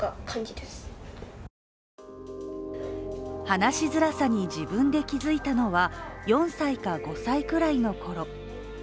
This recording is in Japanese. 話しづらさに自分で気付いたのは４歳か５歳くらいのころ。